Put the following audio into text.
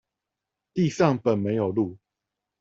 地上本沒有路